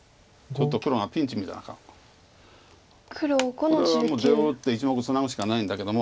これは出を打って１目ツナぐしかないんだけども。